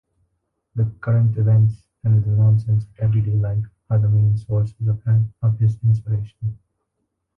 The current events and the nonsense of everyday life are the main sources of his inspiration.